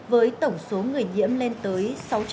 với tổng số người nhiễm lên tới